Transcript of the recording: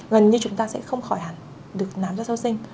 gần như chúng ta sẽ không khỏi hẳn được nám da sau sinh